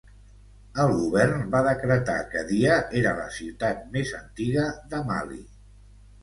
El govern va decretar que Dia era la ciutat més antiga de Mali.